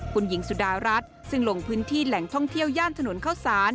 คุณหญิงสุดารัฐซึ่งลงพื้นที่แหล่งท่องเที่ยวย่านถนนเข้าสาร